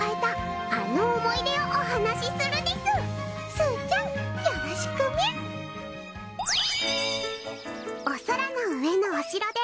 すうちゃんよろしくみゃ！